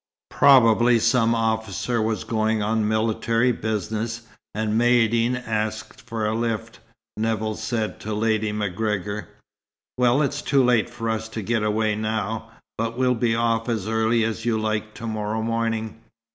"Probably some officer was going on military business, and Maïeddine's asked for a lift," Nevill said to Lady MacGregor. "Well, it's too late for us to get away now; but we'll be off as early as you like to morrow morning."